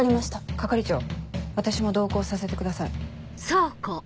係長私も同行させてください。